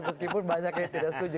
meskipun banyak yang tidak setuju